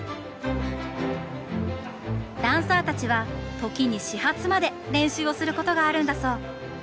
ダンサーたちは時に始発まで練習をすることがあるんだそう。